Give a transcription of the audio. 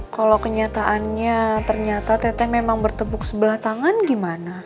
kalau kenyataannya ternyata teteh memang bertepuk sebelah tangan gimana